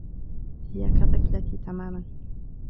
هي كطفلتي تماما.